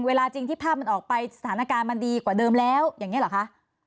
เวลาจริงที่ภาพมันออกไปสถานการณ์มันดีกว่าเดิมแล้วอย่างนี้เหรอคะ